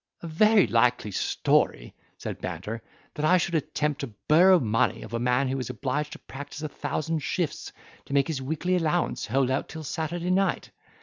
"A very likely story," said Banter, "that I should attempt to borrow money of a man who is obliged to practise a thousand shifts to make his weekly allowance hold out till Saturday night.